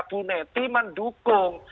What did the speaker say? bu neti mendukung